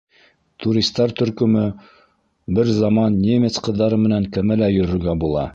Туристар төркөмө бер заман немец ҡыҙҙары менән кәмәлә йөрөргә була.